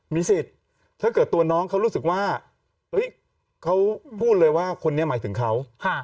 มีสิทธิ์ถ้าเกิดตัวน้องเขารู้สึกว่าเขาพูดเลยว่าคนนี้หมายถึงเขา